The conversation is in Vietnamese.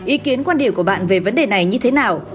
ý kiến quan điểm của bạn về vấn đề này như thế nào